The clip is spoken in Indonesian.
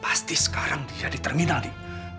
pasti sekarang dia di terminal nih